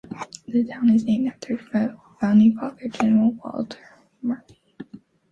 The town is named after founding father, General Walter Martin.